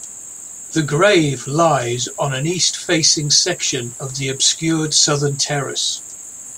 The grave lies on an east-facing section of the obscured southern terrace.